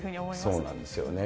そうなんですよね。